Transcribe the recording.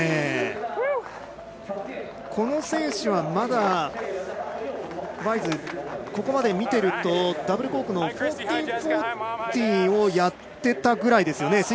この選手はまだここまで見てるとダブルコークの１４４０をやってたぐらいですよね。